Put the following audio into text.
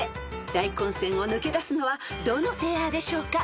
［大混戦を抜け出すのはどのペアでしょうか？］